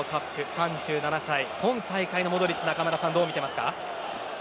３７歳、今大会のモドリッチどう見てますか？